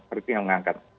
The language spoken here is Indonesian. berarti yang mengangkat